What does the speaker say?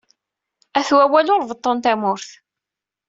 At wawal ur beṭṭun tamurt.